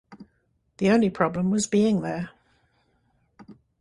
The only problem was being there.